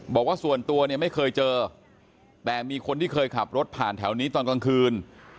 บอกว่าส่วนตัวเนี่ยไม่เคยเจอแต่มีคนที่เคยขับรถผ่านแถวนี้ตอนกลางคืน